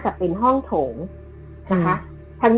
คือเรื่องนี้มัน